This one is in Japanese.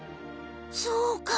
そうか。